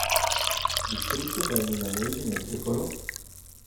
Distrutto dai milanesi nel sec.